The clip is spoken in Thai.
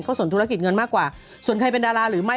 เขาสนธุรกิจเงินมากกว่าส่วนใครเป็นดาราหรือไม่